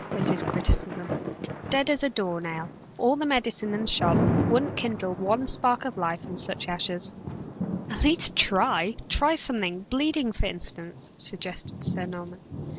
was his criticism, "dead as a door nail! All the medicine in the shop wouldn't kindle one spark of life in such ashes!" "At least, try! Try something bleeding for instance," suggested Sir Norman.